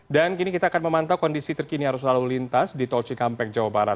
dan kini kita akan memantau kondisi terkini harus selalu lintas di tolcikampeng jawa barat